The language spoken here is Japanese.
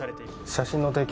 写真の提供